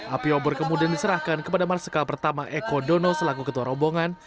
api obor kemudian diserahkan kepada marsikal pertama eko dono selaku ketua rombongan